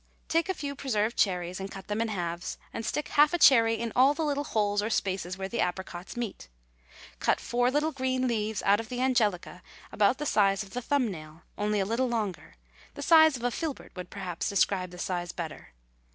Take a few preserved cherries, and cut them in halves, and stick half a cherry in all the little holes or spaces where the apricots meet. Cut four little green leaves out of the angelica about the size of the thumb nail, only a little longer; the size of a filbert would perhaps describe the size better.